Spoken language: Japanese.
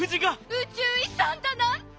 宇宙遺産だなんて！